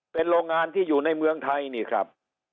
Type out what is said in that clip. เป็นโรงงานที่อยู่ในเมืองไทยนี่ครับ